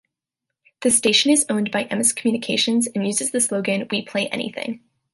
The station is owned by Emmis Communications and uses the slogan We play anything.